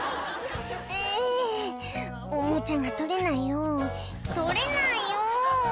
「うぅおもちゃが取れないよ取れないよ！」